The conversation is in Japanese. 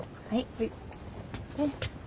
はい。